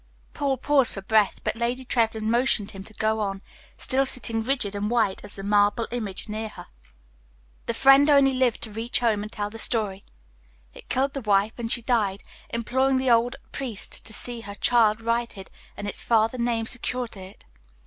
Paul paused for breath, but Lady Trevlyn motioned him to go on, still sitting rigid and white as the marble image near her. "The friend only lived to reach home and tell the story. It killed the wife, and she died, imploring the old priest to see her child righted and its father's name secured to it.